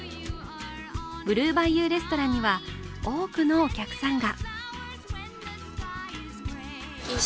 ブルーバイユー・レストランには多くのお客さんが。